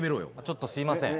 ちょっとすいません。